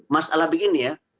masalah begini ya